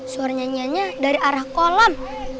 suaranya nyanyianya dari arah kolam